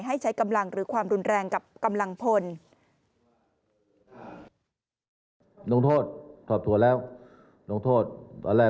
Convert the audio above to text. ให้ใช้กำลังหรือความรุนแรงกับกำลังพล